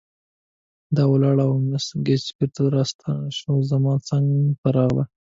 دا ولاړه او مس ګېج بیرته راستنه شوه، زما څنګ ته راغله.